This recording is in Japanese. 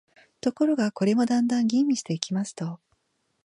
ところが、これもだんだん吟味していきますと、